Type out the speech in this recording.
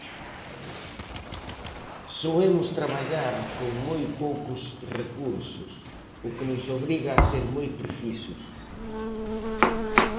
Soemos traballar con moi poucos recursos, o que nos obriga a ser moi precisos.